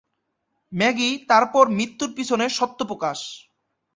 Maggi তারপর তার মৃত্যুর পিছনে সত্য প্রকাশ।